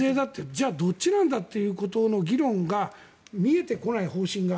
じゃあどっちなんだっていう議論が見えてこない方針が。